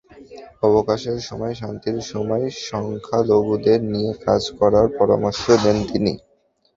অবকাশের সময়, শান্তির সময় সংখ্যালঘুদের নিয়ে কাজ করার পরামর্শ দেন তিনি।